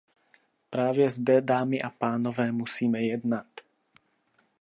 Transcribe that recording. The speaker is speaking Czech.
Právě zde, dámy a pánové, musíme jednat.